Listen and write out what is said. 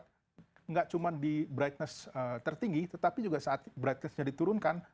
tidak cuma di brightness tertinggi tetapi juga saat brightnessnya diturunkan